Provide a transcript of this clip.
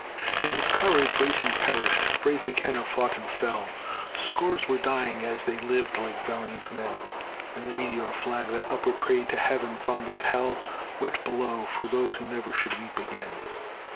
In his courage Rason perished, brave McKenna fought and fell; Scores were dying as they'd lived, like valiant men; And the meteor flag that upward prayed to Heaven from that hell, Wept below for those who ne'er should weep again.